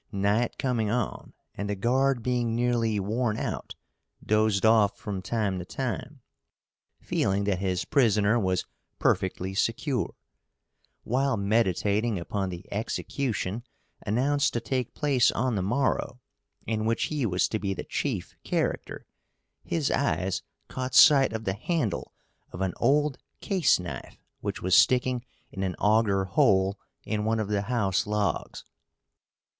Night coming on, and the guard being nearly worn out, dozed off from time to time, feeling that his prisoner was perfectly secure. While meditating upon the execution announced to take place on the morrow, in which he was to be the chief character his eyes caught sight of the handle of an old case knife which was sticking in an auger hole in one of the house logs.